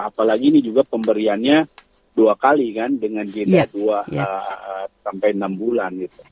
apalagi ini juga pemberiannya dua kali kan dengan jenda dua sampai enam bulan gitu